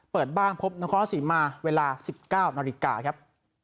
เปิดบ้างพบเชิงมาเวลาสิบเก้านาทีนาทีนาทีครับ